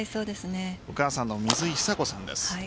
お母さんの水井妃佐子さんです。